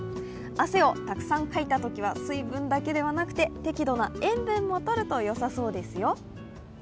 汗をたくさんかいたときは水分だけではなくて適度な塩分もとるとよさそうですよ。